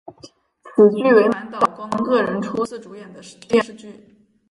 此剧为满岛光个人初次主演的电视剧。